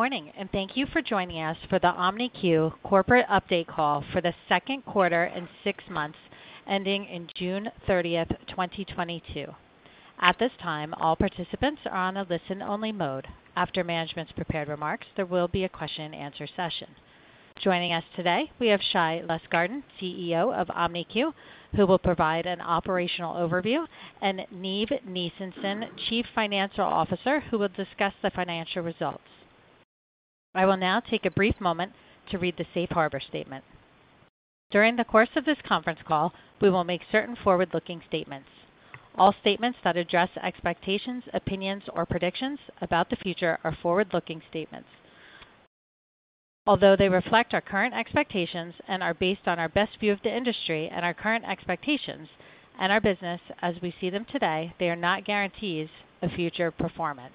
Good morning, and thank you for joining us for the OMNIQ Corporate Update Call for the Q2 and six months ending in June 30th, 2022. At this time, all participants are on a listen-only mode. After management's prepared remarks, there will be a question and answer session. Joining us today, we have Shai Lustgarten, CEO of OMNIQ, who will provide an operational overview, and Niv Nissenson, Chief Financial Officer, who will discuss the financial results. I will now take a brief moment to read the Safe Harbor statement. During the course of this conference call, we will make certain forward-looking statements. All statements that address expectations, opinions, or predictions about the future are forward-looking statements. Although they reflect our current expectations and are based on our best view of the industry and our current expectations and our business as we see them today, they are not guarantees of future performance.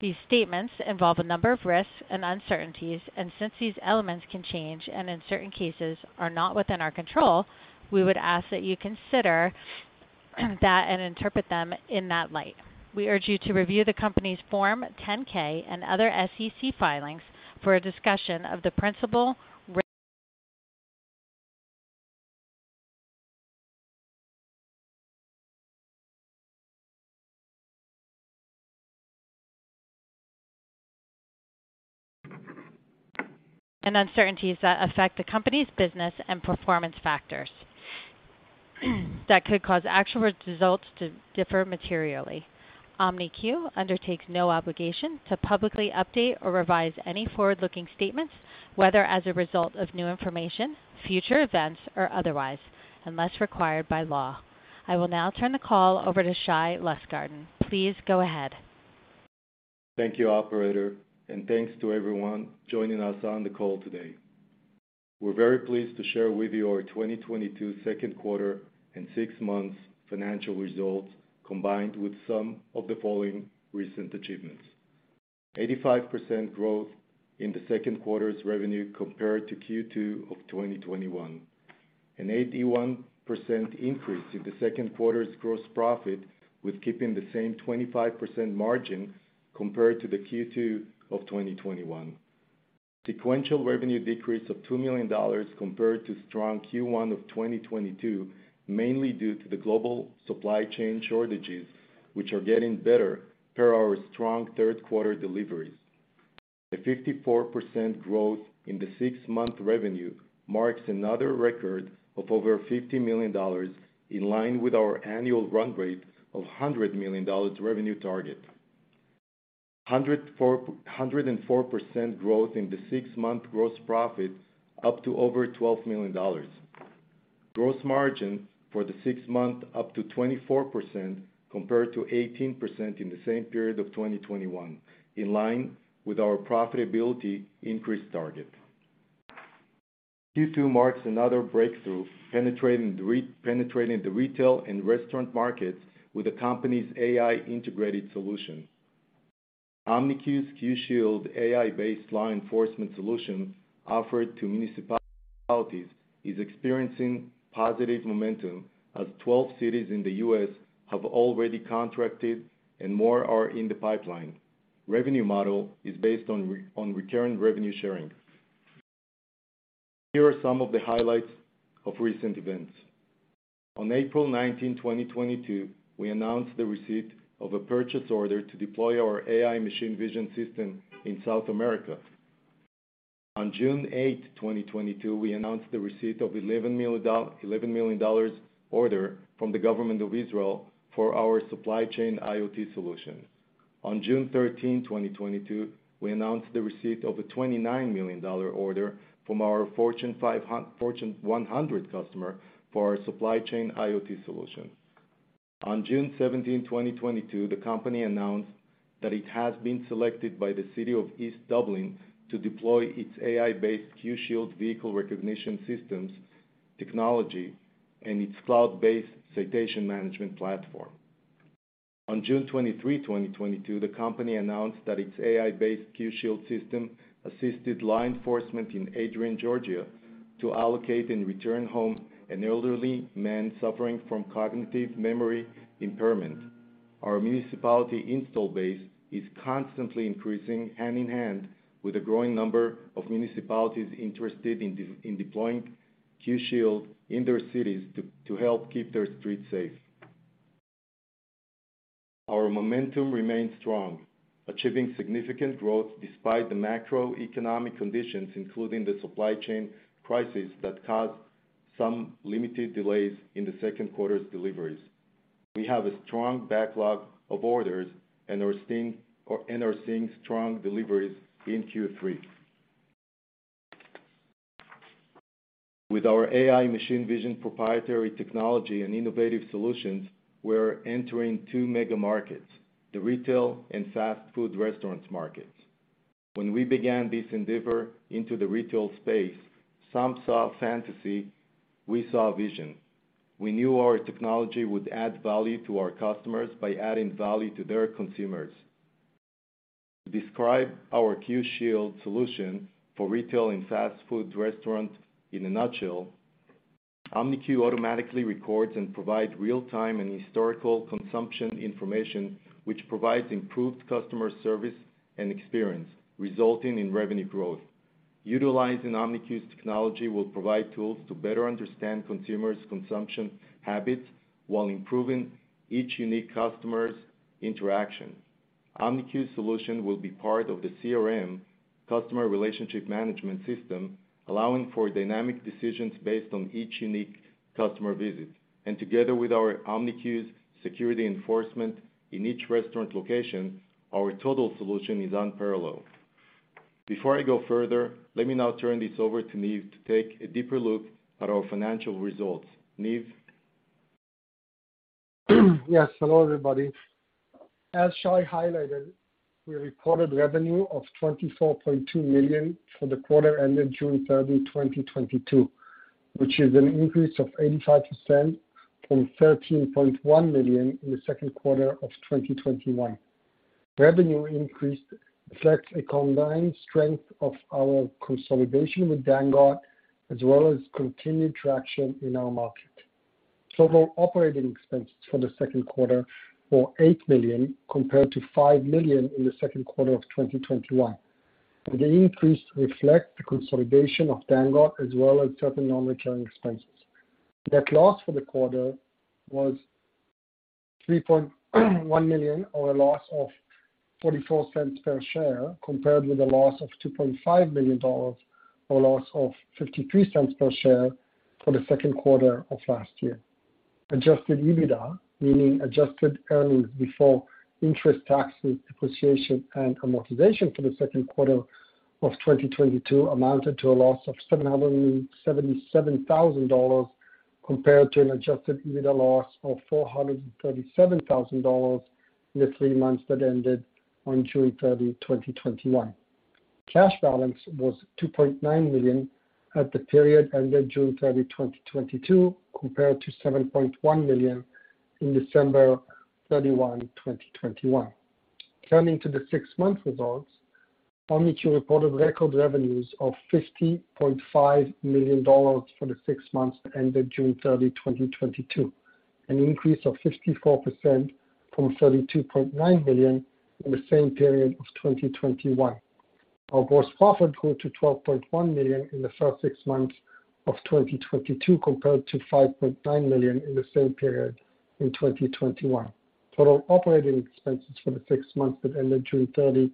These statements involve a number of risks and uncertainties, and since these elements can change and in certain cases are not within our control, we would ask that you consider that and interpret them in that light. We urge you to review the company's Form 10-K and other SEC filings for a discussion of the principal risks and uncertainties that affect the company's business and performance factors that could cause actual results to differ materially. OMNIQ undertakes no obligation to publicly update or revise any forward-looking statements, whether as a result of new information, future events, or otherwise, unless required by law. I will now turn the call over to Shai Lustgarten. Please go ahead. Thank you, operator, and thanks to everyone joining us on the call today. We're very pleased to share with you our 2022 Q2 and six months financial results, combined with some of the following recent achievements. 85% growth in the Q2's revenue compared to Q2 of 2021. An 81% increase in the Q2's gross profit, with keeping the same 25% margin compared to the Q2 of 2021. Sequential revenue decrease of $2 million compared to strong Q1 of 2022, mainly due to the global supply chain shortages, which are getting better per our strong Q3 deliveries. The 54% growth in the six-month revenue marks another record of over $50 million in line with our annual run rate of $100 million revenue target. 104% growth in the six-month gross profit up to over $12 million. Gross margin for the six months up to 24% compared to 18% in the same period of 2021, in line with our profitability increase target. Q2 marks another breakthrough penetrating the retail and restaurant markets with the company's AI integrated solution. OMNIQ's Q Shield AI-based law enforcement solution offered to municipalities is experiencing positive momentum as 12 cities in the U.S. have already contracted and more are in the pipeline. Revenue model is based on recurring revenue sharing. Here are some of the highlights of recent events. On April 19, 2022, we announced the receipt of a purchase order to deploy our AI machine vision system in South America. On June 8, 2022, we announced the receipt of $11 million order from the government of Israel for our supply chain IoT solution. On June 13, 2022, we announced the receipt of a $29 million order from our Fortune 100 customer for our supply chain IoT solution. On June 17, 2022, the company announced that it has been selected by the City of East Dublin to deploy its AI-based Q Shield vehicle recognition systems technology and its cloud-based citation management platform. On June 23, 2022, the company announced that its AI-based Q Shield system assisted law enforcement in Adrian, Georgia, to locate and return home an elderly man suffering from cognitive memory impairment. Our municipality installed base is constantly increasing hand in hand with a growing number of municipalities interested in in deploying Q Shield in their cities to help keep their streets safe. Our momentum remains strong, achieving significant growth despite the macroeconomic conditions, including the supply chain crisis that caused some limited delays in the Q2's deliveries. We have a strong backlog of orders and are seeing strong deliveries in Q3. With our AI machine vision proprietary technology and innovative solutions, we're entering two mega markets, the retail and fast food restaurants markets. When we began this endeavor into the retail space, some saw fantasy, we saw vision. We knew our technology would add value to our customers by adding value to their consumers. To describe our Q Shield solution for retail and fast food restaurants in a nutshell, OMNIQ automatically records and provides real-time and historical consumption information, which provides improved customer service and experience, resulting in revenue growth. Utilizing OMNIQ's technology will provide tools to better understand consumers' consumption habits while improving each unique customer's interaction. OMNIQ's solution will be part of the CRM, customer relationship management system, allowing for dynamic decisions based on each unique customer visit. Together with our OMNIQ's security enforcement in each restaurant location, our total solution is unparalleled. Before I go further, let me now turn this over to Niv to take a deeper look at our financial results. Niv? Yes, hello, everybody. As Shai highlighted, we reported revenue of $24.2 million for the quarter ended June 30, 2022, which is an increase of 85% from $13.1 million in the Q2 of 2021. Revenue increase reflects a combined strength of our consolidation with Dangot as well as continued traction in our market. Total operating expenses for the Q2 were $8 million compared to $5 million in the Q2 of 2021. The increase reflects the consolidation of Dangot as well as certain non-recurring expenses. Net loss for the quarter was $3.1 million, or a loss of $0.44 per share, compared with a loss of $2.5 million, or a loss of $0.53 per share for the Q2 of last year. Adjusted EBITDA, meaning adjusted earnings before interest, taxes, depreciation, and amortization for the Q2 of 2022 amounted to a loss of $777,000 compared to an adjusted EBITDA loss of $437,000 in the three months that ended on June 30, 2021. Cash balance was $2.9 million at the period ended June 30, 2022, compared to $7.1 million in December 31, 2021. Turning to the six-month results, OMNIQ reported record revenues of $50.5 million for the six months that ended June 30, 2022, an increase of 64% from $32.9 million in the same period of 2021. Our gross profit grew to $12.1 million in the first six months of 2022 compared to $5.9 million in the same period in 2021. Total operating expenses for the six months that ended June 30,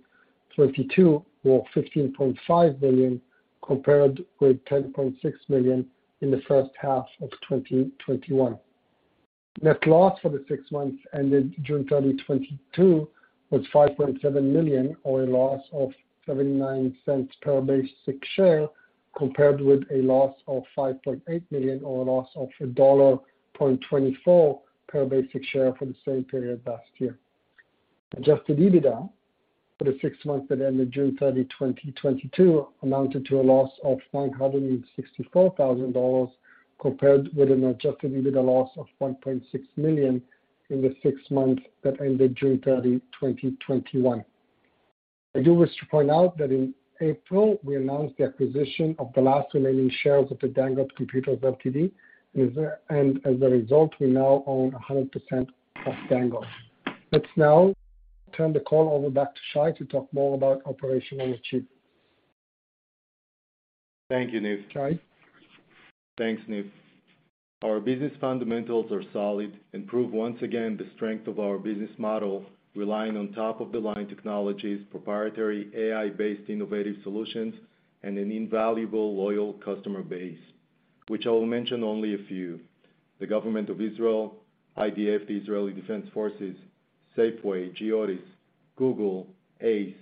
2022 were $15.5 million, compared with $10.6 million in the H1 of 2021. Net loss for the six months ended June 30, 2022 was $5.7 million or a loss of $0.79 per basic share, compared with a loss of $5.8 million or a loss of $1.24 per basic share for the same period last year. Adjusted EBITDA for the six months that ended June 30, 2022, amounted to a loss of $564,000, compared with an adjusted EBITDA loss of $1.6 million in the six months that ended June 30, 2021. I do wish to point out that in April, we announced the acquisition of the last remaining shares of Dangot Computers Ltd. As a result, we now own 100% of Dangot. Let's now turn the call back over to Shai to talk more about operational achievements. Thank you, Niv. Shai. Thanks, Niv. Our business fundamentals are solid and prove once again the strength of our business model, relying on top-of-the-line technologies, proprietary AI-based innovative solutions, and an invaluable loyal customer base, which I will mention only a few. The government of Israel, IDF, the Israel Defense Forces, Safeway, Geodis, Google, Ace,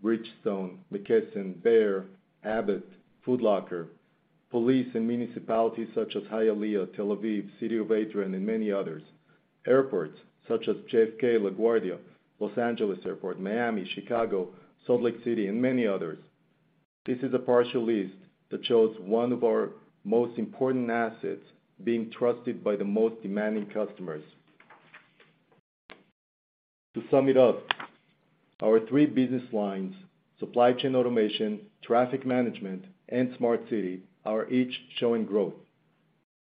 Bridgestone, McKesson, Bayer, Abbott, Foot Locker, police and municipalities such as Hialeah, Tel Aviv, City of Adrian, and many others. Airports such as JFK, LaGuardia, Los Angeles Airport, Miami, Chicago, Salt Lake City, and many others. This is a partial list that shows one of our most important assets being trusted by the most demanding customers. To sum it up, our three business lines, supply chain automation, traffic management, and smart city, are each showing growth.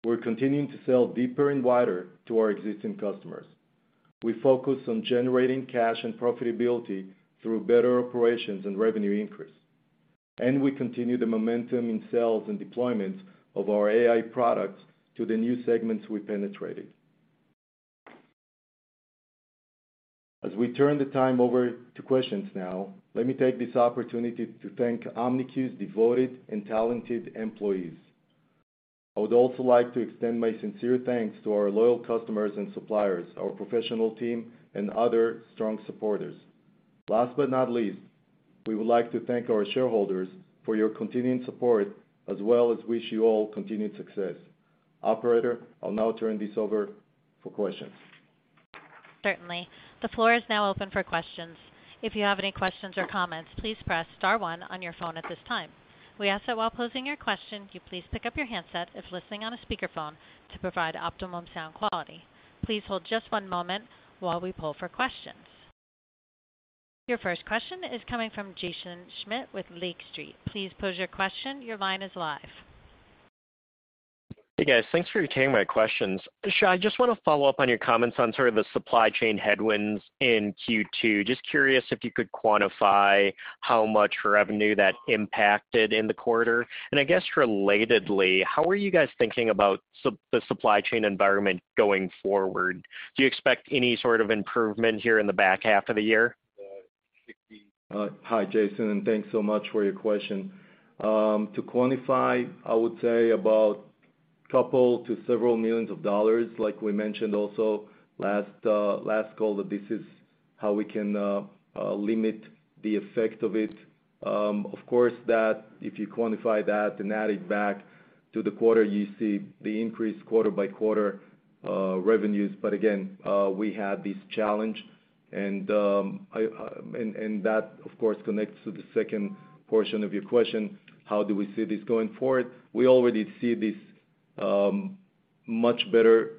We're continuing to sell deeper and wider to our existing customers. We focus on generating cash and profitability through better operations and revenue increase. We continue the momentum in sales and deployments of our AI products to the new segments we penetrated. As we turn it over to questions now, let me take this opportunity to thank OMNIQ's devoted and talented employees. I would also like to extend my sincere thanks to our loyal customers and suppliers, our professional team, and other strong supporters. Last but not least, we would like to thank our shareholders for your continuing support, as well as wish you all continued success. Operator, I'll now turn this over for questions. Certainly. The floor is now open for questions. If you have any questions or comments, please press star one on your phone at this time. We ask that while posing your question, you please pick up your handset if listening on a speakerphone to provide optimum sound quality. Please hold just one moment while we poll for questions. Your first question is coming from Jaeson Schmidt with Lake Street Capital Markets. Please pose your question. Your line is live. Hey guys, thanks for taking my questions. Shai, I just want to follow up on your comments on sort of the supply chain headwinds in Q2. Just curious if you could quantify how much revenue that impacted in the quarter. I guess relatedly, how are you guys thinking about the supply chain environment going forward? Do you expect any sort of improvement here in the back half of the year? Hi, Jason, and thanks so much for your question. To quantify, I would say about $2 million to several million, like we mentioned also last call, that this is how we can limit the effect of it. Of course, if you quantify that and add it back to the quarter, you see the increased quarter by quarter revenues. Again, we had this challenge and that of course connects to the second portion of your question, how do we see this going forward? We already see this much better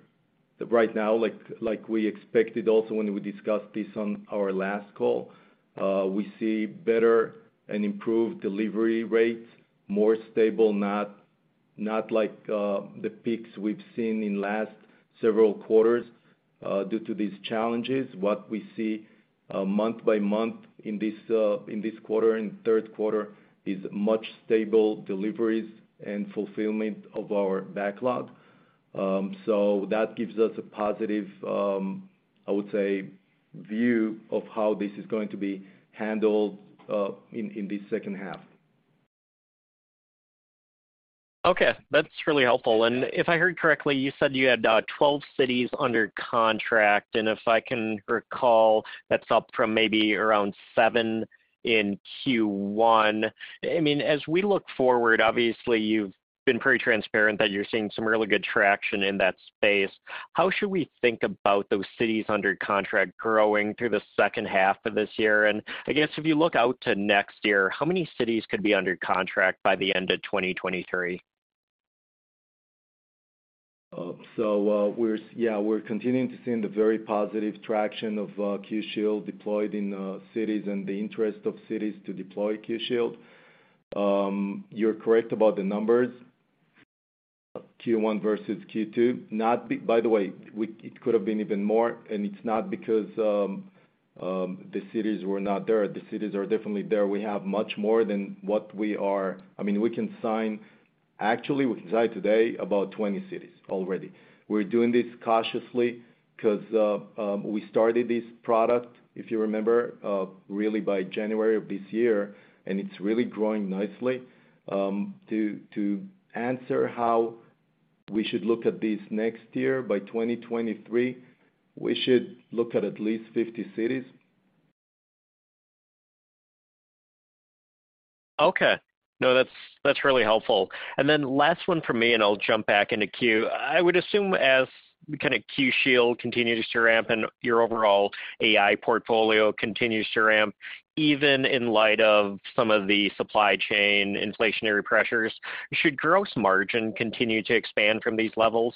right now like we expected also when we discussed this on our last call. We see better and improved delivery rates, more stable, not like the peaks we've seen in the last several quarters due to these challenges. What we see month by month in this quarter in the Q3 is much stable deliveries and fulfillment of our backlog. That gives us a positive, I would say, view of how this is going to be handled in the H2. Okay. That's really helpful. If I heard correctly, you said you had 12 cities under contract, and if I can recall, that's up from maybe around seven in Q1. I mean, as we look forward, obviously you've been pretty transparent that you're seeing some really good traction in that space. How should we think about those cities under contract growing through the H2 of this year? I guess if you look out to next year, how many cities could be under contract by the end of 2023? We're continuing to see the very positive traction of Q Shield deployed in cities and the interest of cities to deploy Q Shield. You're correct about the numbers, Q1 versus Q2. By the way, it could have been even more, and it's not because the cities were not there. The cities are definitely there. We have much more than what we are. I mean, we can actually sign today about 20 cities already. We're doing this cautiously 'cause we started this product, if you remember, really by January of this year, and it's really growing nicely. To answer how we should look at this next year by 2023, we should look at at least 50 cities. Okay. No, that's really helpful. Last one from me, and I'll jump back in the queue. I would assume as kinda Q Shield continues to ramp and your overall AI portfolio continues to ramp, even in light of some of the supply chain inflationary pressures, should gross margin continue to expand from these levels?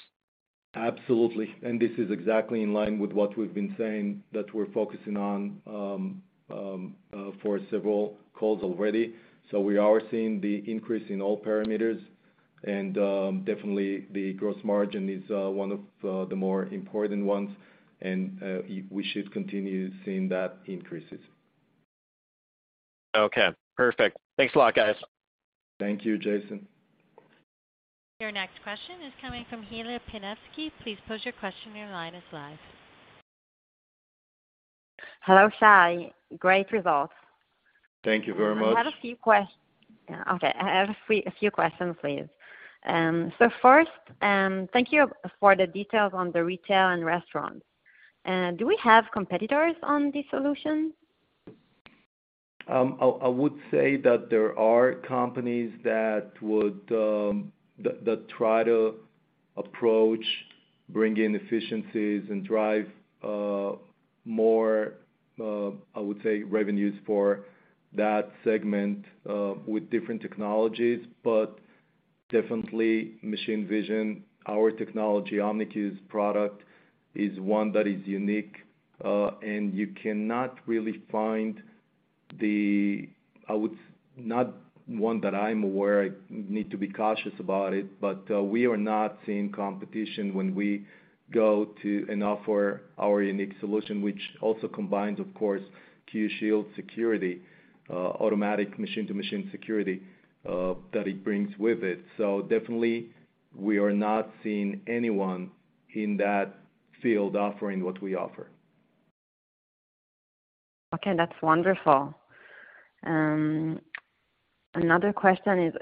Absolutely. This is exactly in line with what we've been saying that we're focusing on for several calls already. We are seeing the increase in all parameters and definitely the gross margin is one of the more important ones and we should continue seeing that increases. Okay. Perfect. Thanks a lot, guys. Thank you, Jaeson. Your next question is coming from Hila Pinevsky. Please pose your question. Your line is live. Hello, Shai. Great results. Thank you very much. I have a few questions for you. Thank you for the details on the retail and restaurant. Do we have competitors on this solution? I would say that there are companies that would try to approach bringing efficiencies and drive more I would say revenues for that segment with different technologies. Definitely machine vision, our technology, OMNIQ's product is one that is unique. You cannot really find one that I'm aware. I need to be cautious about it, but we are not seeing competition when we go to and offer our unique solution, which also combines, of course, Q Shield security, automatic machine-to-machine security that it brings with it. Definitely we are not seeing anyone in that field offering what we offer. Okay. That's wonderful. Another question is,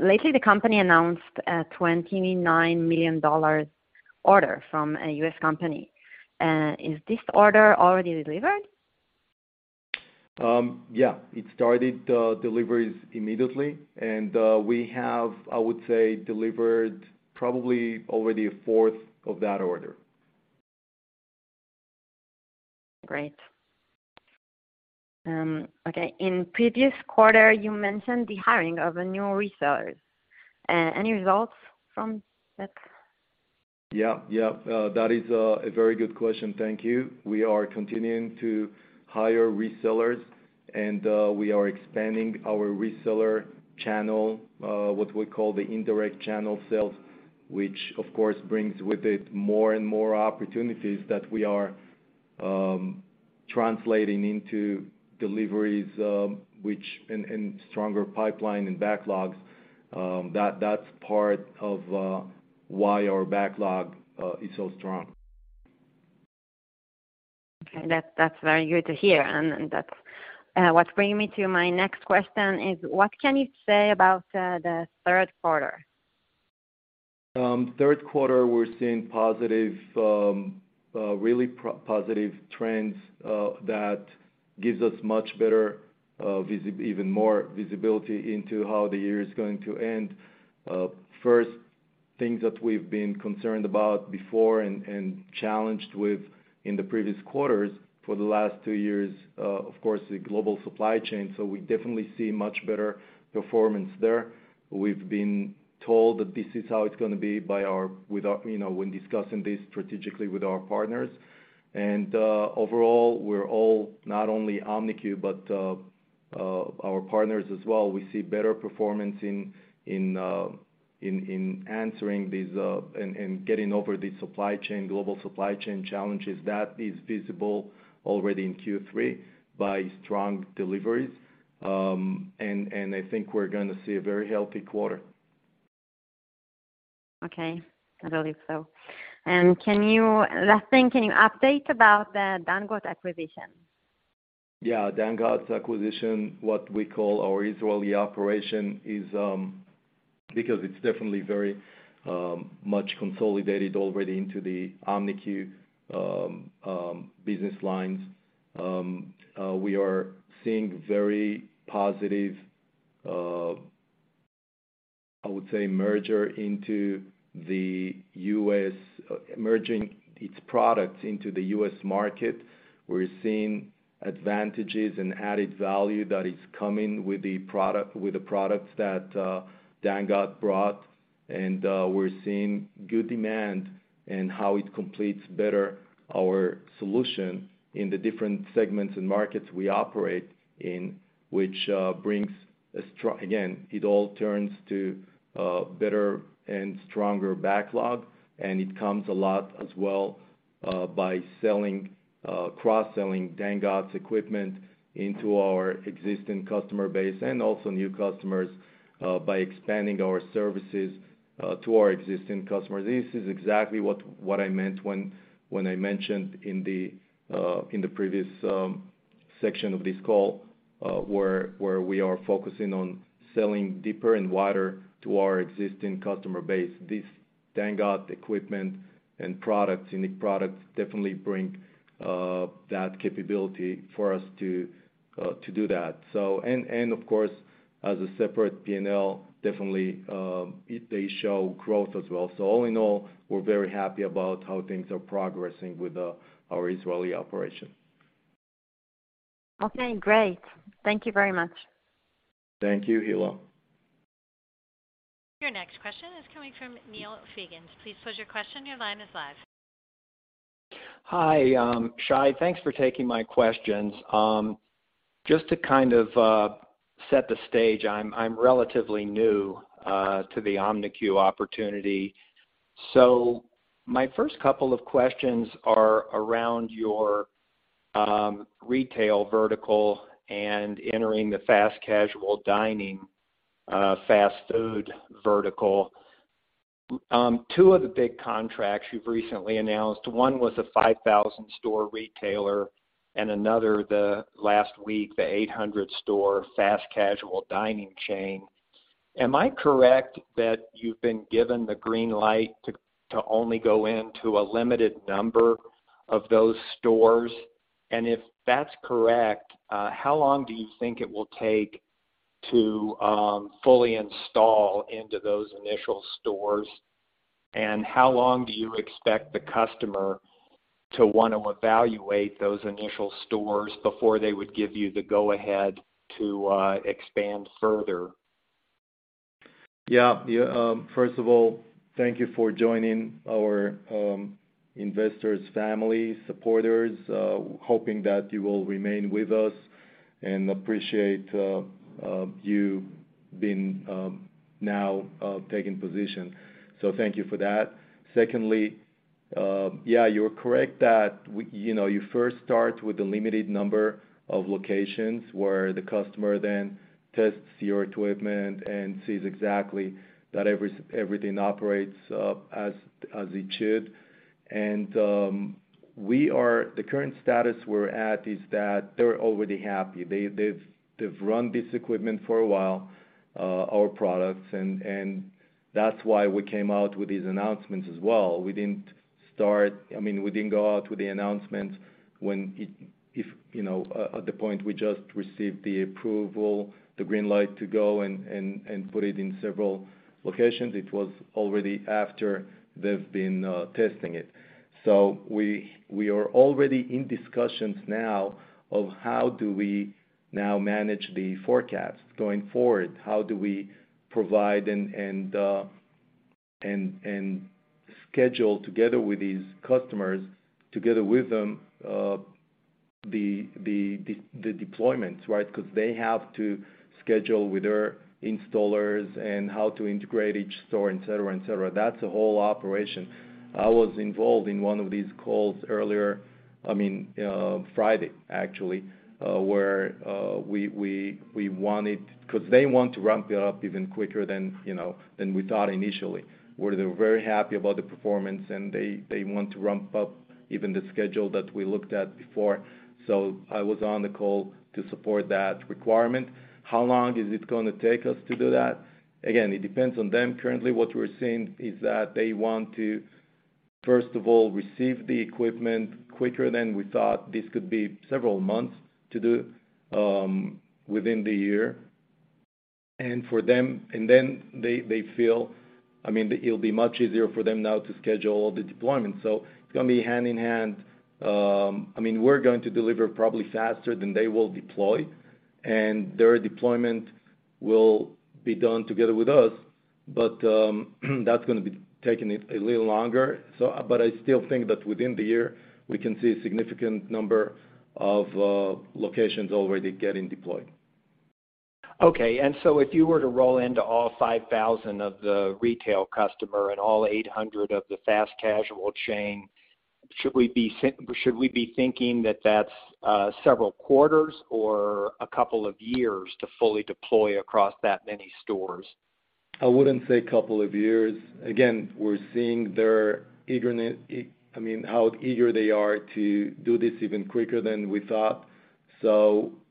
lately, the company announced a $29 million order from a US company. Is this order already delivered? Yeah. It started deliveries immediately. We have, I would say, delivered probably already a fourth of that order. Great. Okay. In previous quarter, you mentioned the hiring of a new resellers. Any results from that? Yeah, yeah. That is a very good question. Thank you. We are continuing to hire resellers, and we are expanding our reseller channel, what we call the indirect channel sales, which of course brings with it more and more opportunities that we are translating into deliveries, which and stronger pipeline and backlogs. That's part of why our backlog is so strong. Okay. That's very good to hear. That's what's bringing me to my next question is what can you say about the Q3? Q3, we're seeing positive, really positive trends that gives us much better, even more visibility into how the year is going to end. First, things that we've been concerned about before and challenged with in the previous quarters for the last two years, of course, the global supply chain. We definitely see much better performance there. We've been told that this is how it's gonna be, you know, when discussing this strategically with our partners. Overall, we're all not only OMNIQ, but our partners as well. We see better performance in answering these and getting over the supply chain, global supply chain challenges that is visible already in Q3 by strong deliveries. I think we're gonna see a very healthy quarter. Okay. I believe so. Last thing, can you update about the Dangot acquisition? Yeah. Dangot's acquisition, what we call our Israeli operation, is because it's definitely very much consolidated already into the OMNIQ business lines. We are seeing very positive, I would say merger into the U.S., merging its products into the US market. We're seeing advantages and added value that is coming with the product, with the products that Dangot brought. We're seeing good demand and how it completes better our solution in the different segments and markets we operate in, which. Again, it all turns to better and stronger backlog, and it comes a lot as well by cross-selling Dangot's equipment into our existing customer base and also new customers by expanding our services to our existing customers. This is exactly what I meant when I mentioned in the previous section of this call, where we are focusing on selling deeper and wider to our existing customer base. This Dangot equipment and products, unique products, definitely bring that capability for us to do that. Of course, as a separate P&L, definitely, they show growth as well. All in all, we're very happy about how things are progressing with our Israeli operation. Okay, great. Thank you very much. Thank you, Hila. Your next question is coming from Neil Fiegans. Please pose your question. Your line is live. Hi, Shai. Thanks for taking my questions. Just to kind of set the stage, I'm relatively new to the OMNIQ opportunity. My first couple of questions are around your retail vertical and entering the fast casual dining fast food vertical. Two of the big contracts you've recently announced, one was a 5,000-store retailer and another, the last week, the 800-store fast casual dining chain. Am I correct that you've been given the green light to only go into a limited number of those stores? If that's correct, how long do you think it will take to fully install into those initial stores? How long do you expect the customer to want to evaluate those initial stores before they would give you the go-ahead to expand further? Yeah. Yeah. First of all, thank you for joining our investors family, supporters. Hoping that you will remain with us and appreciate you being now taking position. So thank you for that. Secondly, yeah, you're correct that we, you know, you first start with a limited number of locations where the customer then tests your equipment and sees exactly that everything operates as it should. The current status we're at is that they're already happy. They've run this equipment for a while, our products, and that's why we came out with these announcements as well. We didn't start, I mean, we didn't go out with the announcements when, you know, at the point we just received the approval, the green light to go and put it in several locations. It was already after they've been testing it. We are already in discussions now of how do we now manage the forecast going forward? How do we provide and schedule together with these customers, together with them, the deployment, right? Because they have to schedule with their installers and how to integrate each store, et cetera, et cetera. That's a whole operation. I was involved in one of these calls earlier, I mean, Friday, actually, where we wanted because they want to ramp it up even quicker than, you know, than we thought initially, where they were very happy about the performance and they want to ramp up even the schedule that we looked at before. I was on the call to support that requirement. How long is it gonna take us to do that? Again, it depends on them. Currently, what we're seeing is that they want to, first of all, receive the equipment quicker than we thought. This could be several months to do within the year. For them, then they feel, I mean, it'll be much easier for them now to schedule the deployment. It's gonna be hand in hand. I mean, we're going to deliver probably faster than they will deploy, and their deployment will be done together with us, but that's gonna be taking a little longer. I still think that within the year, we can see a significant number of locations already getting deployed. Okay. If you were to roll into all 5,000 of the retail customer and all 800 of the fast-casual chain, should we be thinking that that's several quarters or a couple of years to fully deploy across that many stores? I wouldn't say couple of years. Again, we're seeing their eagerness. I mean, how eager they are to do this even quicker than we thought.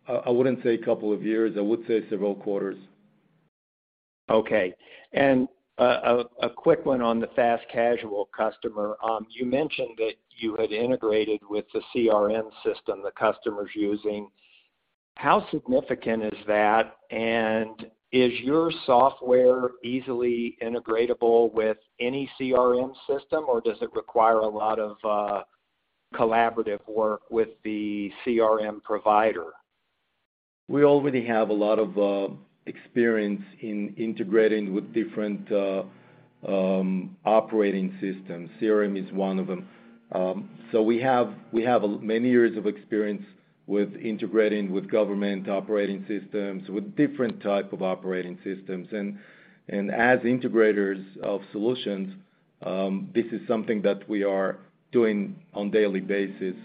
I wouldn't say a couple of years, I would say several quarters. Okay. A quick one on the fast-casual customer. You mentioned that you had integrated with the CRM system the customer's using. How significant is that? Is your software easily integratable with any CRM system, or does it require a lot of collaborative work with the CRM provider? We already have a lot of experience in integrating with different operating systems. CRM is one of them. We have many years of experience with integrating with government operating systems, with different type of operating systems. As integrators of solutions, this is something that we are doing on daily basis.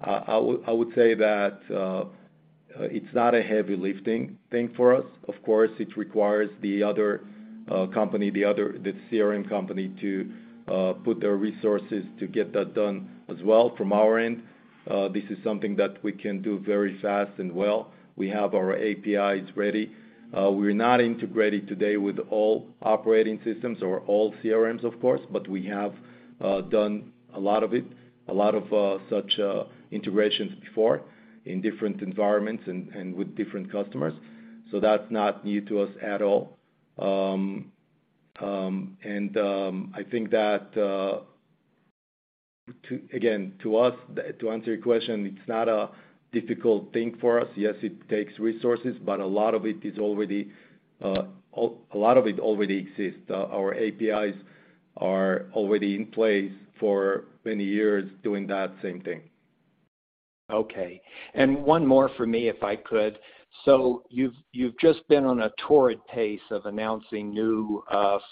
I would say that it's not a heavy lifting thing for us. Of course, it requires the other company, the CRM company to put their resources to get that done as well from our end. This is something that we can do very fast and well. We have our APIs ready. We're not integrated today with all operating systems or all CRMs, of course, but we have done a lot of it, such integrations before in different environments and with different customers. That's not new to us at all. I think that again, to us, to answer your question, it's not a difficult thing for us. Yes, it takes resources, but a lot of it already exists. Our APIs are already in place for many years doing that same thing. Okay. One more for me, if I could. You've just been on a torrid pace of announcing new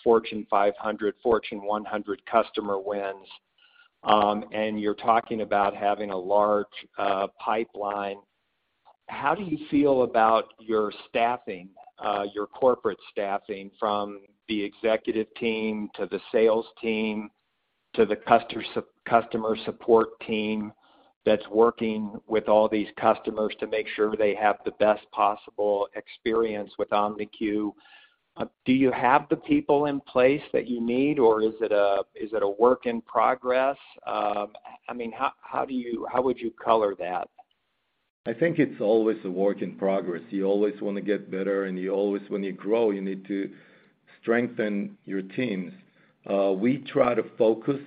Fortune 500, Fortune 100 customer wins, and you're talking about having a large pipeline. How do you feel about your staffing, your corporate staffing from the executive team to the sales team to the customer support team that's working with all these customers to make sure they have the best possible experience with OMNIQ? Do you have the people in place that you need, or is it a work in progress? I mean, how would you color that? I think it's always a work in progress. You always wanna get better, and when you grow, you need to strengthen your teams. We try to focus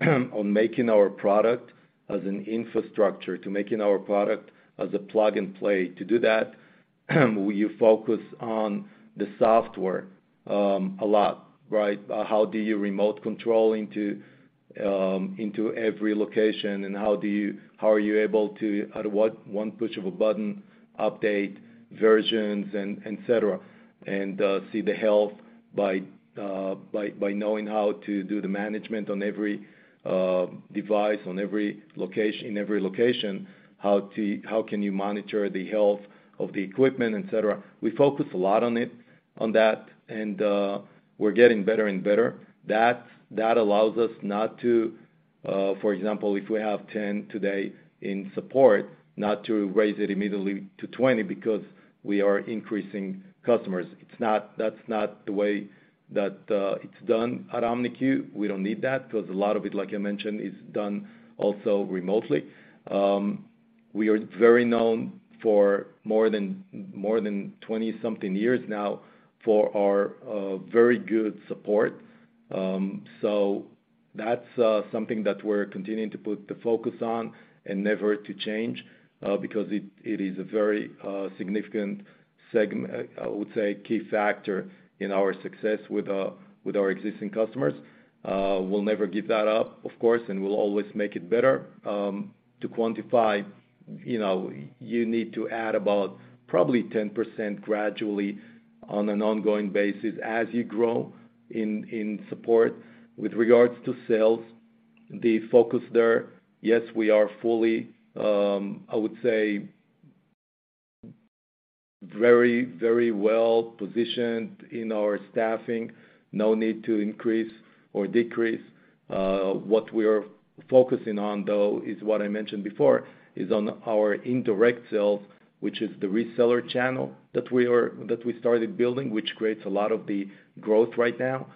on making our product as an infrastructure, to making our product as a plug-and-play. To do that, we focus on the software a lot, right? How do you remote control into every location? How are you able to, at one push of a button, update versions and et cetera, and see the health by knowing how to do the management on every device, on every location, in every location, how can you monitor the health of the equipment, et cetera? We focus a lot on it, on that, and we're getting better and better. That allows us not to, for example, if we have 10 today in support, not to raise it immediately to 20 because we are increasing customers. That's not the way that it's done at OMNIQ. We don't need that because a lot of it, like I mentioned, is done also remotely. We are very known for more than 20-something years now for our very good support. That's something that we're continuing to put the focus on and never to change because it is a very significant segment, I would say, key factor in our success with our existing customers. We'll never give that up, of course, and we'll always make it better. To quantify, you know, you need to add about probably 10% gradually on an ongoing basis as you grow in support. With regards to sales, the focus there, yes, we are fully, I would say, very, very well-positioned in our staffing. No need to increase or decrease. What we are focusing on, though, is what I mentioned before, is on our indirect sales, which is the reseller channel that we started building, which creates a lot of the growth right now.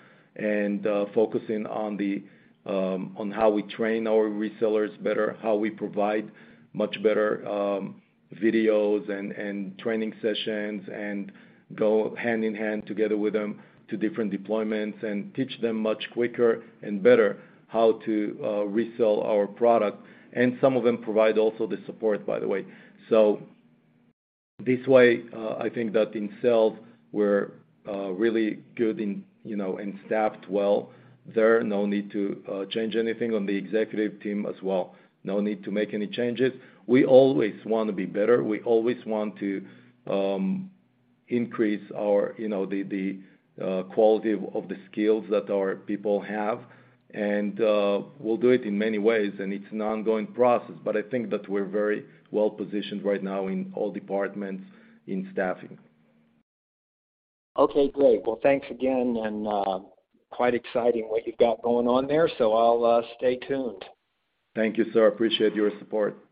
Focusing on how we train our resellers better, how we provide much better videos and training sessions, and go hand-in-hand together with them to different deployments and teach them much quicker and better how to resell our product. Some of them provide also the support, by the way. This way, I think that in sales we're really good and, you know, and staffed well there. No need to change anything on the executive team as well. No need to make any changes. We always wanna be better. We always want to increase our, you know, the quality of the skills that our people have. We'll do it in many ways, and it's an ongoing process, but I think that we're very well-positioned right now in all departments in staffing. Okay, great. Well, thanks again, and quite exciting what you've got going on there, so I'll stay tuned. Thank you, sir. Appreciate your support.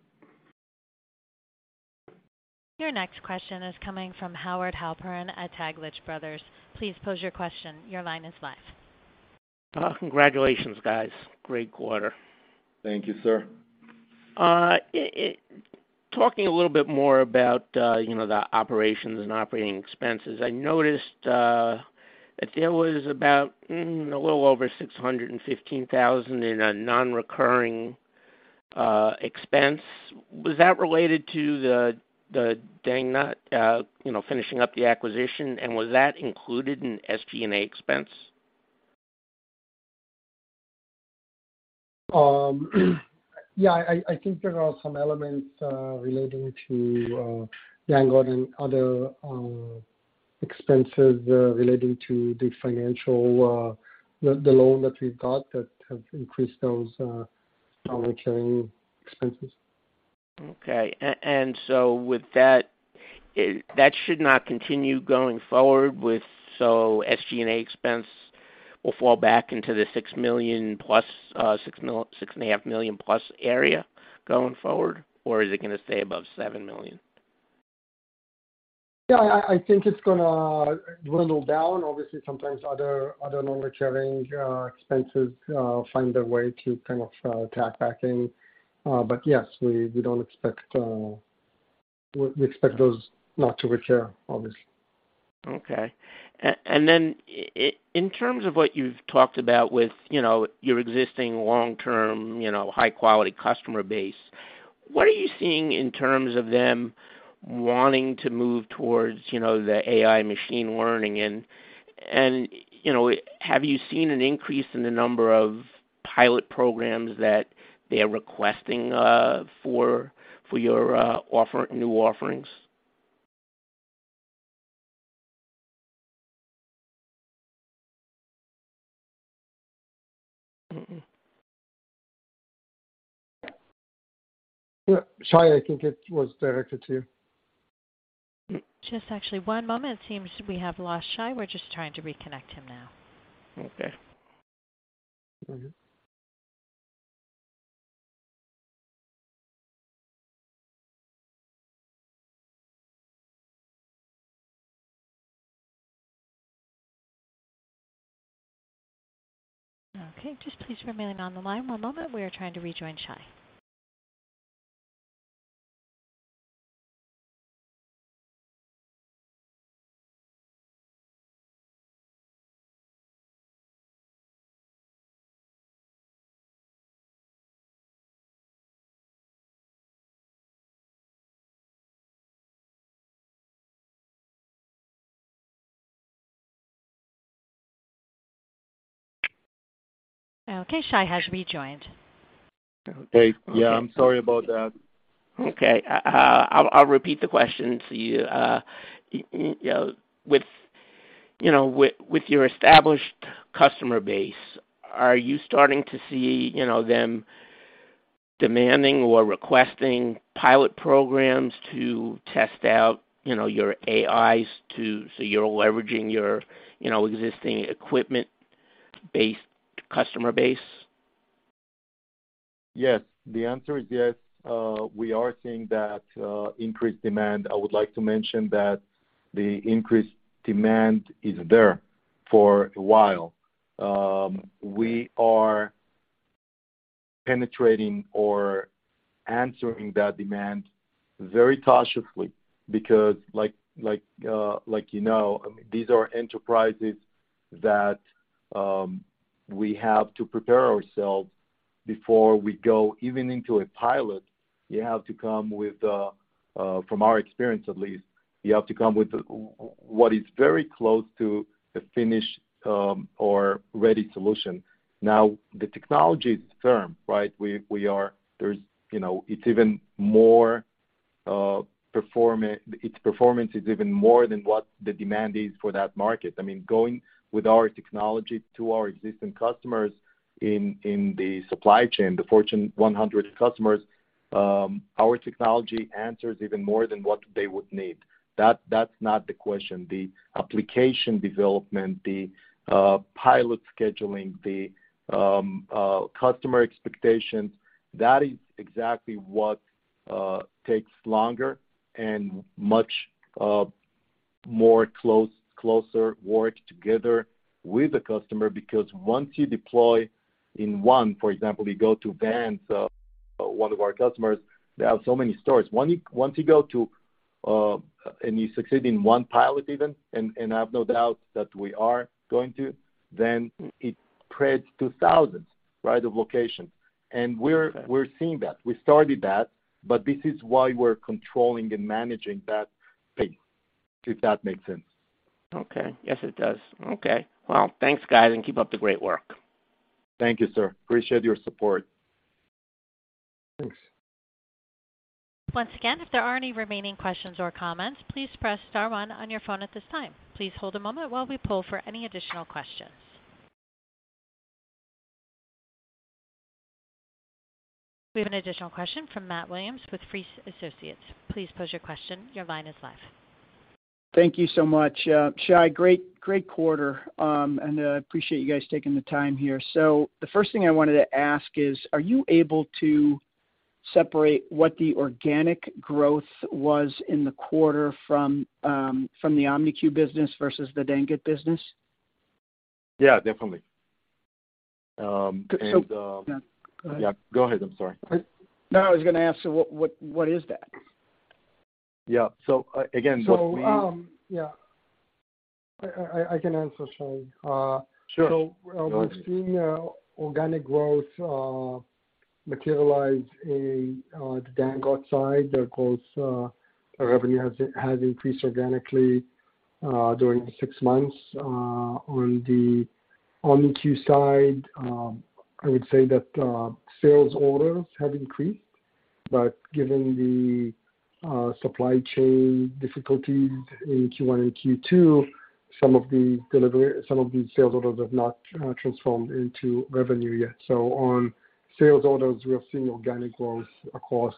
Your next question is coming from Howard Halpern at Taglich Brothers. Please pose your question. Your line is live. Congratulations, guys. Great quarter. Thank you, sir. Talking a little bit more about, you know, the operations and operating expenses. I noticed that there was about a little over $615,000 in a non-recurring expense. Was that related to the Dangot, you know, finishing up the acquisition? Was that included in SG&A expense? Yeah, I think there are some elements relating to Dangot and other expenses relating to the loan that we've got that have increased those non-recurring expenses. With that should not continue going forward, so SG&A expense will fall back into the $6 million-plus, $6.5 million-plus area going forward? Or is it gonna stay above $7 million? Yeah, I think it's gonna dwindle down. Obviously, sometimes other non-recurring expenses find their way to kind of tap back in. Yes, we expect those not to recur, obviously. In terms of what you've talked about with, you know, your existing long-term, you know, high-quality customer base, what are you seeing in terms of them wanting to move towards, you know, the AI machine learning and, you know, have you seen an increase in the number of pilot programs that they are requesting for your new offerings? Shai, I think it was directed to you. Just actually one moment. It seems we have lost Shai. We're just trying to reconnect him now. Okay. Okay. Just please remain on the line one moment. We are trying to rejoin Shai. Okay, Shai has rejoined. Okay. Yeah, I'm sorry about that. I'll repeat the question to you. You know, with your established customer base, are you starting to see them demanding or requesting pilot programs to test out your AIs so you're leveraging your existing equipment base, customer base? Yes. The answer is yes. We are seeing that increased demand. I would like to mention that the increased demand is there for a while. We are Penetrating or answering that demand very cautiously because like, you know, these are enterprises that, we have to prepare ourselves before we go even into a pilot. From our experience at least, you have to come with what is very close to a finished, or ready solution. Now, the technology is firm, right? There's, you know, it's even more. Its performance is even more than what the demand is for that market. I mean, going with our technology to our existing customers in the supply chain, the Fortune 100 customers, our technology answers even more than what they would need. That's not the question. The application development, the pilot scheduling, the customer expectations, that is exactly what takes longer and much closer work together with the customer. Because once you deploy in one, for example, you go to Vans, one of our customers, they have so many stores. Once you go to and you succeed in one pilot even, and I have no doubt that we are going to, then it spreads to thousands, right? Of locations. We're seeing that. We started that, but this is why we're controlling and managing that pace, if that makes sense. Okay. Yes, it does. Okay. Well, thanks, guys, and keep up the great work. Thank you, sir. Appreciate your support. Thanks. Once again, if there are any remaining questions or comments, please press star one on your phone at this time. Please hold a moment while we poll for any additional questions. We have an additional question from Matt Williams with Free Associates. Please pose your question. Your line is live. Thank you so much. Shai, great quarter. I appreciate you guys taking the time here. The first thing I wanted to ask is, are you able to separate what the organic growth was in the quarter from the OMNIQ business versus the Dangot business? Yeah, definitely. Yeah, go ahead. Yeah, go ahead. I'm sorry. No, I was gonna ask, so what is that? Yeah. Again, what we- Yeah. I can answer, Shai. Sure. We've seen organic growth materialize in the Dangot side. Of course, our revenue has increased organically during the six months. On the OMNIQ side, I would say that sales orders have increased. Given the supply chain difficulties in Q1 and Q2, some of the sales orders have not transformed into revenue yet. On sales orders, we have seen organic growth across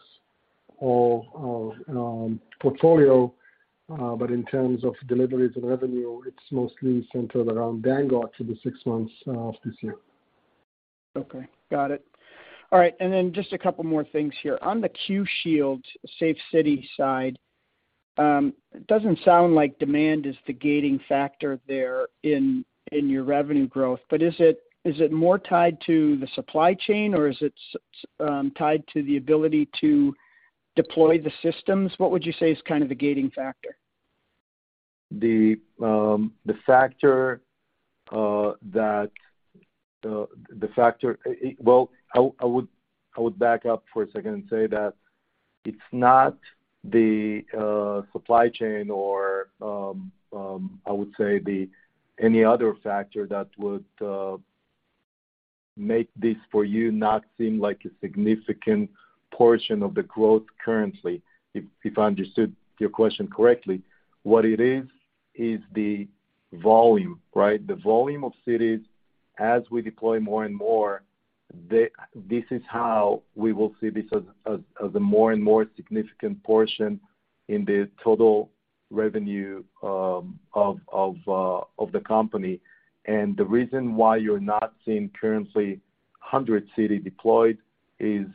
all our portfolio. In terms of deliveries and revenue, it's mostly centered around Dangot for the six months of this year. Okay. Got it. All right. Just a couple more things here. On the Q Shield safe city side, it doesn't sound like demand is the gating factor there in your revenue growth. But is it more tied to the supply chain, or is it tied to the ability to deploy the systems? What would you say is kind of the gating factor? Well, I would back up for a second and say that it's not the supply chain or, I would say, any other factor that would make this for you not seem like a significant portion of the growth currently, if I understood your question correctly. What it is the volume, right? The volume of cities as we deploy more and more, this is how we will see this as a more and more significant portion in the total revenue of the company. The reason why you're not seeing currently 100 cities deployed is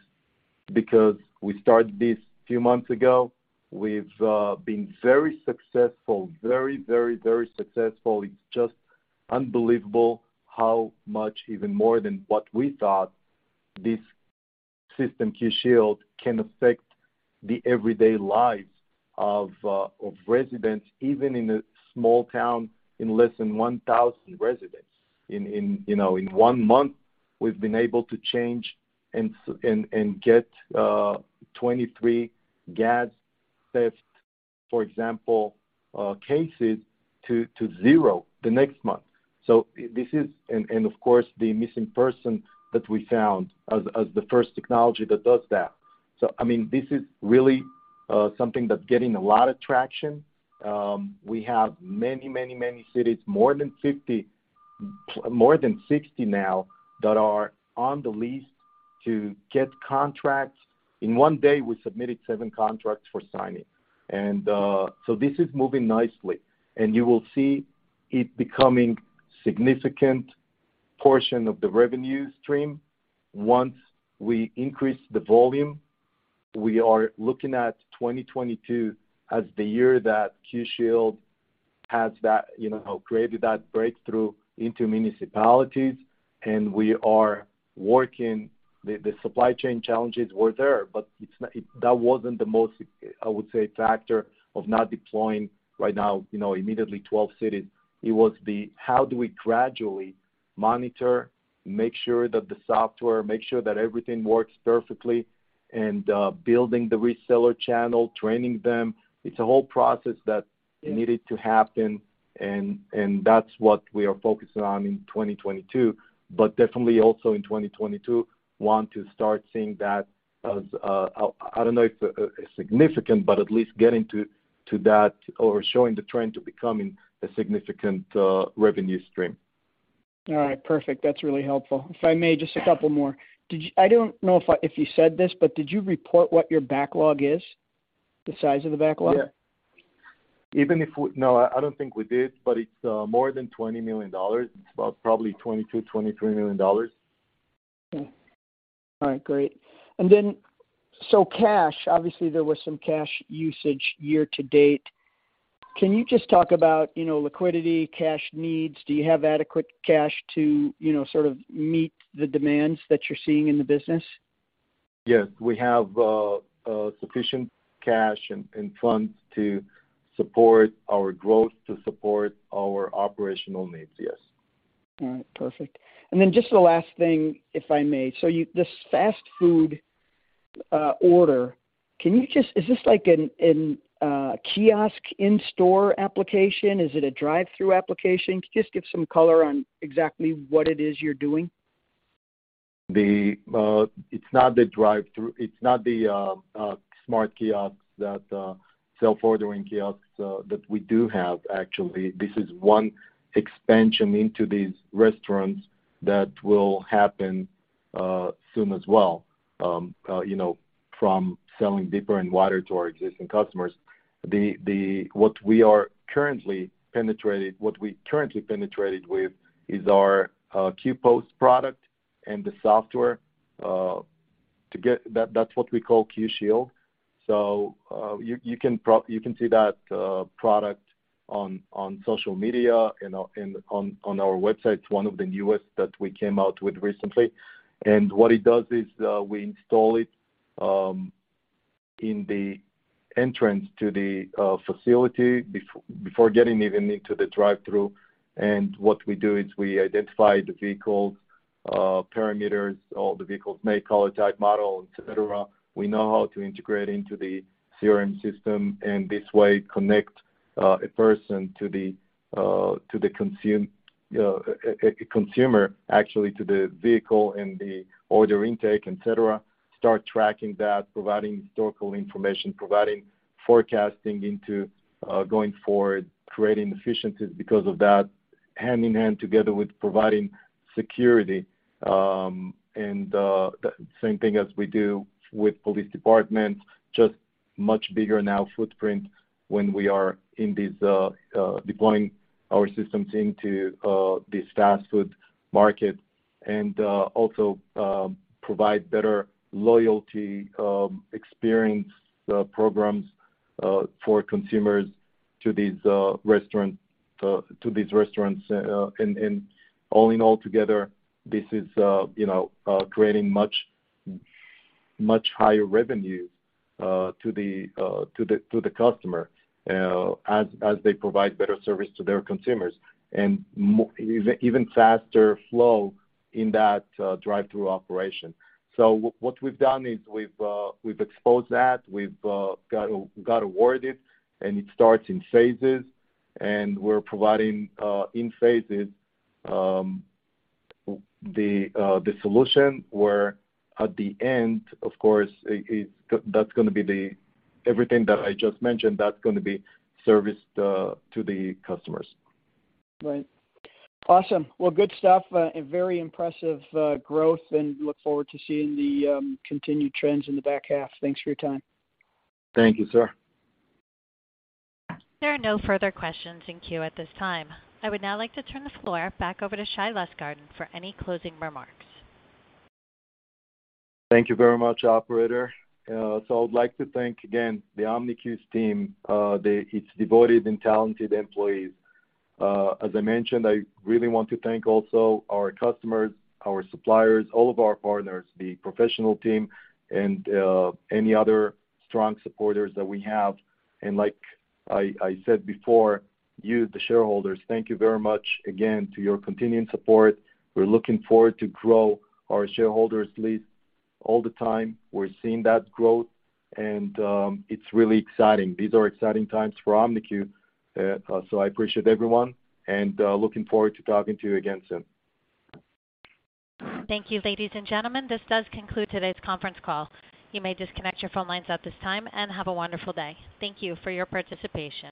because we started this a few months ago. We've been very successful. It's just unbelievable how much even more than what we thought this system, Q Shield, can affect the everyday lives of residents, even in a small town in less than 1,000 residents. In one month, we've been able to change and get 23 gas theft, for example, cases to zero the next month. This is of course the missing person that we found as the first technology that does that. I mean, this is really something that's getting a lot of traction. We have many cities, more than 50, more than 60 now, that are on the list to get contracts. In one day, we submitted 7 contracts for signing. This is moving nicely, and you will see it becoming significant portion of the revenue stream once we increase the volume. We are looking at 2022 as the year that Q Shield has that, you know, created that breakthrough into municipalities, and we are working. The supply chain challenges were there, but that wasn't the most, I would say, factor of not deploying right now, you know, immediately 12 cities. It was the how do we gradually monitor, make sure that the software, make sure that everything works perfectly, and building the reseller channel, training them. It's a whole process that needed to happen. that's what we are focusing on in 2022, but definitely also in 2022 want to start seeing that as a, I don't know if a significant, but at least getting to that or showing the trend to becoming a significant revenue stream. All right. Perfect. That's really helpful. If I may, just a couple more. I don't know if you said this, but did you report what your backlog is? The size of the backlog? Yeah. No, I don't think we did, but it's more than $20 million. It's about probably $22-23 million. Okay. All right, great. Cash, obviously, there was some cash usage year to date. Can you just talk about, you know, liquidity, cash needs? Do you have adequate cash to, you know, sort of meet the demands that you're seeing in the business? Yes. We have sufficient cash and funds to support our growth, to support our operational needs, yes. All right, perfect. Just the last thing, if I may. This fast food order, is this like a kiosk in-store application? Is it a drive-thru application? Can you just give some color on exactly what it is you're doing? It's not the drive-thru. It's not the self-ordering kiosks that we do have actually. This is one expansion into these restaurants that will happen soon as well, you know, from selling deeper and wider to our existing customers. What we currently penetrated with is our Q-Post product and the software. That's what we call Q-Shield. You can see that product on social media and on our website. It's one of the newest that we came out with recently. What it does is we install it in the entrance to the facility before getting even into the drive-thru. What we do is we identify the vehicle's parameters, all the vehicle's make, color, type, model, et cetera. We know how to integrate into the CRM system, and this way connect a person to the consumer, actually to the vehicle and the order intake, et cetera. Start tracking that, providing historical information, providing forecasting into going forward, creating efficiencies because of that, hand in hand together with providing security. The same thing as we do with police departments, just much bigger footprint now when we are in these deploying our systems into this fast food market. Also, provide better loyalty experience programs for consumers to these restaurants. All in all together, this is, you know, creating much higher revenues to the customer as they provide better service to their consumers. Even faster flow in that drive-thru operation. What we've done is we've exposed that. We've got awarded, and it starts in phases. We're providing in phases the solution, where at the end, of course, everything that I just mentioned, that's gonna be serviced to the customers. Right. Awesome. Well, good stuff. A very impressive growth, and look forward to seeing the continued trends in the back half. Thanks for your time. Thank you, sir. There are no further questions in queue at this time. I would now like to turn the floor back over to Shai Lustgarten for any closing remarks. Thank you very much, operator. I would like to thank again the OMNIQ's team, its devoted and talented employees. As I mentioned, I really want to thank also our customers, our suppliers, all of our partners, the professional team, and any other strong supporters that we have. Like I said before, you, the shareholders, thank you very much again to your continuing support. We're looking forward to grow our shareholders list all the time. We're seeing that growth, and it's really exciting. These are exciting times for OMNIQ, so I appreciate everyone, and looking forward to talking to you again soon. Thank you, ladies and gentlemen. This does conclude today's conference call. You may disconnect your phone lines at this time, and have a wonderful day. Thank you for your participation.